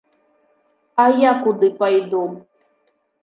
А я куды пайду?